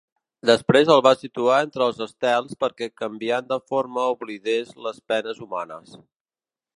Després el va situar entre els estels perquè canviant de forma oblidés les penes humanes.